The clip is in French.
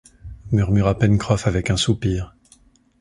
murmura Pencroff avec un soupir.